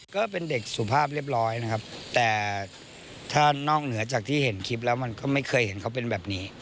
ก็เป็นเด็กสุภาพเรียบร้อยนะครับแต่ถ้านอกเหนือจากที่เห็นคลิปแล้วมันก็ไม่เคยเห็นเขาเป็นแบบนี้